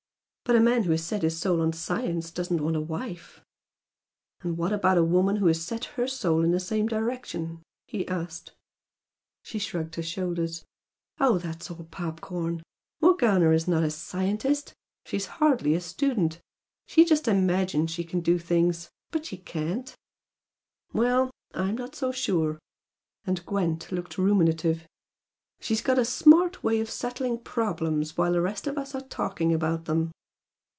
But a man who has set his soul on science doesn't want a wife." "And what about a woman who has set her soul in the same direction?" he asked. She shrugged her shoulders. "Oh, that's all popcorn! Morgana is not a scientist, she's hardly a student. She just 'imagines' she can do things. But she can't." "Well! I'm not so sure!" and Gwent looked ruminative "She's got a smart way of settling problems while the rest of us are talking about them."